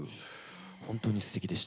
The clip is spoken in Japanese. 本当にすてきでしたね。